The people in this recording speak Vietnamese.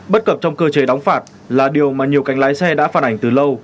bất cập trong cơ chế đóng phạt là điều mà nhiều cánh lái xe đã phản ảnh từ lâu